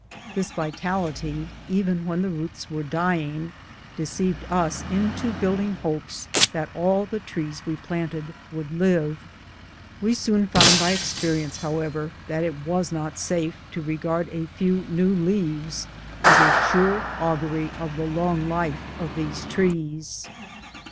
This vitality, even when the roots were dying, deceived us into building hopes that all the trees we planted would live. We soon found by experience, however, that it was not safe to regard a few new leaves as a sure augury of the long life of these trees.